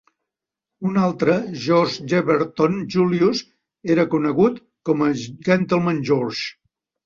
Un altre, George Yelverton Julius, era conegut com a "Gentleman George".